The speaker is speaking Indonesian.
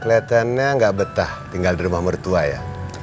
keliatannya gak betah tinggal di rumah mertua ya